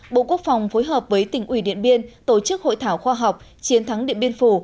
bộ quốc phòng phối hợp với tỉnh ủy điện biên tổ chức hội thảo khoa học chiến thắng điện biên phủ